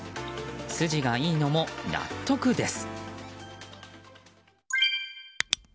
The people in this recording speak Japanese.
筋がいいのも納得です。